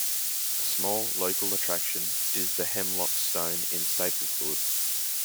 A small local attraction is the Hemlock Stone in Stapleford.